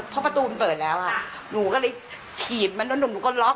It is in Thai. พอประตูมันเปิดแล้วอ่ะหนูก็เลยฉีดมาแล้วหนูก็ล๊อค